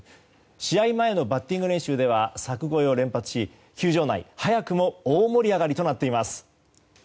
試合前のバッティング練習では柵越えを連発し球場内、早くも大盛り上がりとなっています。